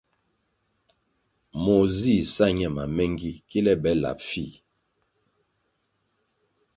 Moh zih sa ñe mamengi kile be lap fih.